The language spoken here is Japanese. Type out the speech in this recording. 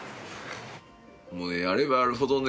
もうやればやるほどね